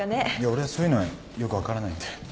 俺はそういうのはよく分からないんで。